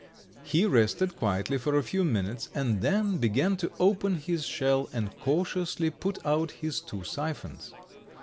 He rested quietly for a few minutes, and then began to open his shell and cautiously put out his two siphons.